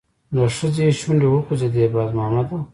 د ښځې شونډې وخوځېدې: باز مامده!